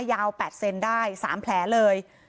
ยาว๘เซนได้๓แผลเลย